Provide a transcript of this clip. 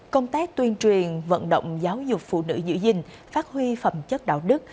công tác tuyên truyền vận động giáo dục phụ nữ dữ dình phát huy phẩm chất đạo đức